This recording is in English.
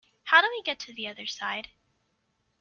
How do we get to the other side ?